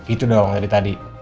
itu doang dari tadi